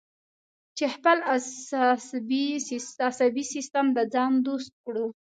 چې خپل عصبي سیستم د ځان دوست کړو.